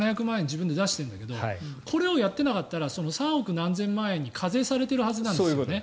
自分で出しているんだけどこれをやっていなかったら３億何千万円に課税されているはずなんだよね。